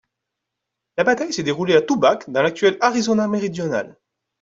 La bataille s'est déroulée à Tubac dans l'actuel Arizona méridional.